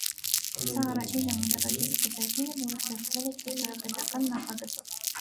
Սա առաջին ժամանակակից զբոսայգին է, որ ստեղծվել է ճարտարապետական նախագծով։